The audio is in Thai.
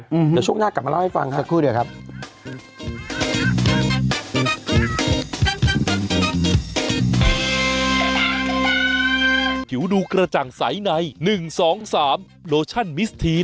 หื้อหือเดี๋ยวช่วงหน้ากลับมาเล่าให้ฟังค่ะสักครู่ดีกว่าครับ